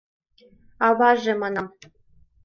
— Аваже, манам...